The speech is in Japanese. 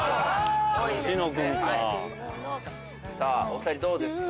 さぁお２人どうですか？